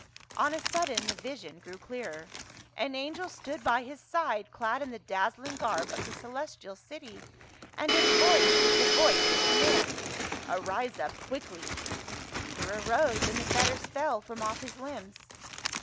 On a sudden the vision grew clearer; an angel stood by his side clad in the dazzling garb of the celestial city. And his voice was the voice of com mand. " Arise up quickly !" Peter arose, and the fetters fell from off his limbs.